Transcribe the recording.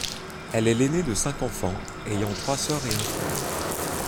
Elle est l'aînée de cinq enfants, ayant trois sœurs et un frère.